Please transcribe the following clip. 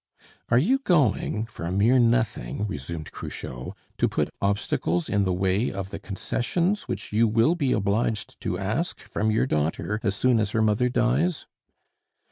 "Are you going for a mere nothing," resumed Cruchot, "to put obstacles in the way of the concessions which you will be obliged to ask from your daughter as soon as her mother dies?"